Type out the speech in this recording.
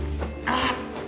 ああ